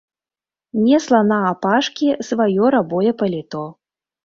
Несла наапашкі сваё рабое паліто.